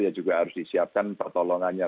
ya juga harus disiapkan pertolongannya